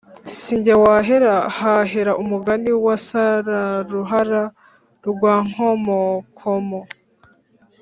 Sinjye wahera hahera umugani wasararuhara rwankomokomo